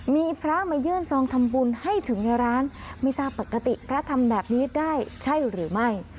มีพระมายื่นซองทำบุญให้ถึงในร้านไม่ทราบปกติพระทำแบบนี้ได้ใช่หรือไม่